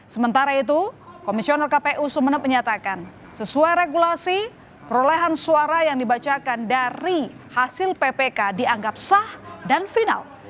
sementara itu komisioner kpu sumeneb menyatakan sesuai regulasi perolehan suara yang dibacakan dari hasil ppk dianggap sah dan final